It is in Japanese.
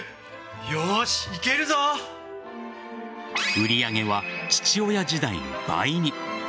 売上は父親時代の倍に。